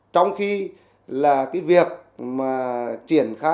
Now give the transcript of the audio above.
trong khi là cái việc mà triển khai